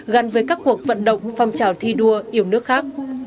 gắn với các cuộc vận động phong trào thi đua yêu nước khác